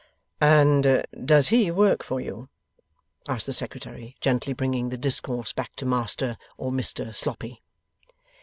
'And does he work for you?' asked the Secretary, gently bringing the discourse back to Master or Mister Sloppy.